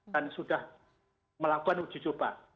dan sudah melakukan uji coba